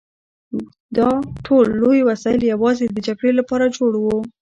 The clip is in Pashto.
دا ټول لوی وسایل یوازې د جګړې لپاره جوړ وو